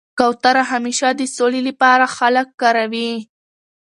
کوتره همېشه د سولي له پاره خلک کاروي.